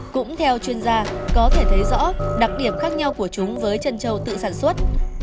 cũng theo chuyên gia có thể thấy rõ đặc điểm khác nhau của chúng với chân trâu tự sản xuất